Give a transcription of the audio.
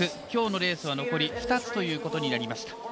今日のレースは残り２つということになりました。